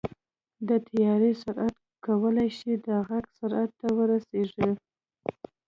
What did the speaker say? د طیارې سرعت کولی شي د غږ سرعت ته ورسېږي.